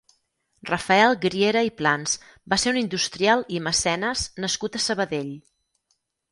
Rafael Griera i Plans va ser un industrial i mecenes nascut a Sabadell.